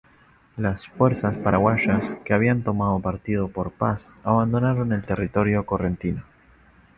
Las fuerzas paraguayas, que habían tomado partido por Paz, abandonaron el territorio correntino.